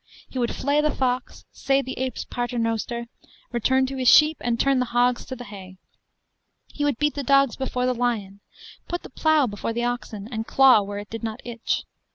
He would flay the fox, say the ape's paternoster, return to his sheep, and turn the hogs to the hay. He would beat the dogs before the lion, put the plough before the oxen, and claw where it did not itch.